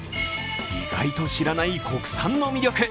意外と知らない国産の魅力。